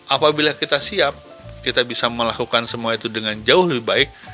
apabila kita siap kita bisa melakukan semua itu dengan jauh lebih baik